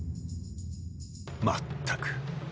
まったく。